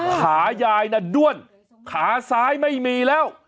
ขายายน่ะด้วนขาซ้ายไม่มีแล้ว